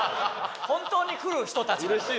本当に来る人たちだから。